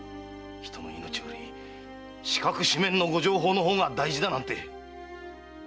人の命より四角四面のご定法の方が大事だなんて！